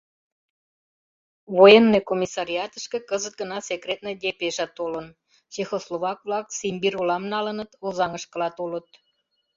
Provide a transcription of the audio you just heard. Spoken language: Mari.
Военный комиссариатышке кызыт гына секретный депеша толын, чехословак-влак Симбир олам налыныт, Озаҥышкыла толыт.